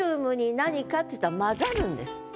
何かっていったら雑ざるんです。